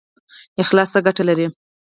اخلاص څه ګټه لري؟